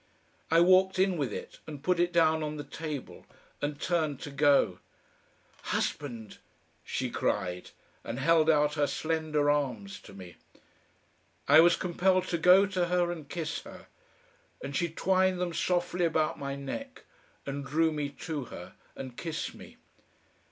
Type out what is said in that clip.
I walked in with it, and put it down on the table and turned to go. "Husband!" she cried, and held out her slender arms to me. I was compelled to go to her and kiss her, and she twined them softly about my neck and drew me to her and kissed me.